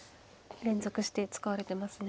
連続して使われてますね。